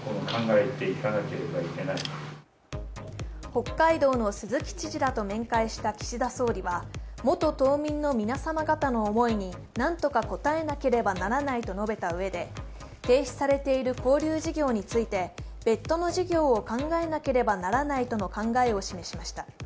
北海道の鈴木知事らと面会した岸田総理は元島民の皆様方の思いに何とか応えなければならないと述べたうえで停止されている交流事業について別途の事業を考えなければならないとの考えを示しました。